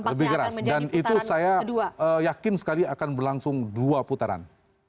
lebih keras dan itu saya yakin sekali akan berlangsung dua putaran